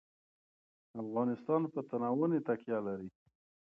افغانستان په تنوع باندې تکیه لري.